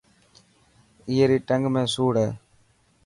اي ري ٽنگ ۾ سوڙ هي.